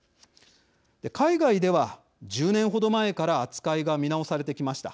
海外では１０年程前から扱いが見直されてきました。